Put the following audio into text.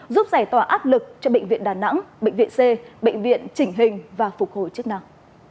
giúp giải tỏa áp lực cho bệnh viện đà nẵng bệnh viện c bệnh viện chỉnh hình và phục hồi chức năng